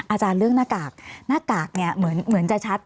อาจารย์เรื่องหน้ากากหน้ากากเนี่ยเหมือนจะชัด